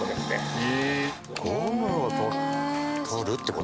ゴムを取るって事？